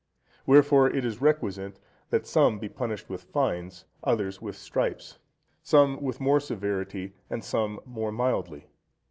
Wherefore it is requisite, that some be punished with fines, others with stripes; some with more severity, and some more mildly.